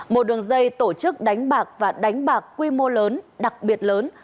một đường dây tổ chức đánh bạc và đánh bạc quy mô lớn đặc biệt lớn